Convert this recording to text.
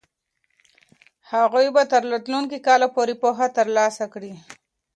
هغوی به تر راتلونکي کاله پورې پوهه ترلاسه کړي.